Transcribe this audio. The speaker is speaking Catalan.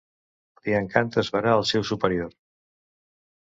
Li encanta esverar al seu superior.